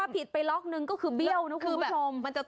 ผิดไปล็อกนึงก็คือเบี้ยวนะคุณผู้ชม